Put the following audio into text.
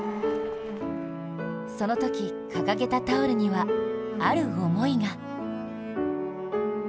そのとき、掲げたタオルにはある思いが。